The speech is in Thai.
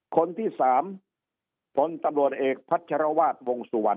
คนที่๓ผลตำรวจเอกพัชรวาสวงสุวรรณ